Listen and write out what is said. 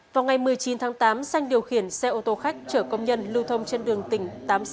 vào ngày một mươi chín tháng tám xanh điều khiển xe ô tô khách chở công nhân lưu thông trên đường tỉnh tám trăm sáu mươi bảy